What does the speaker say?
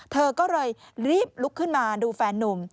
เธอก็เลยรีบลุกขึ้นมาดูแฟนนุ่ม